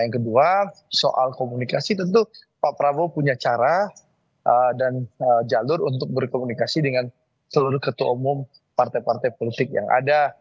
yang kedua soal komunikasi tentu pak prabowo punya cara dan jalur untuk berkomunikasi dengan seluruh ketua umum partai partai politik yang ada